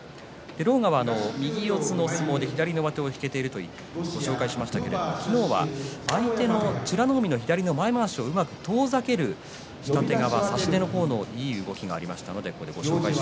狼雅は右四つの相撲で左の上手を引けているとご紹介しましたけれども昨日は相手の美ノ海が左の前まわしをうまく遠ざける下手側差し手の方のいい動きがありました。